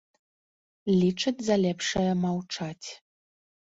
Лічаць за лепшае маўчаць.